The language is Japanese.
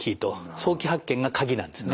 早期発見が鍵なんですね。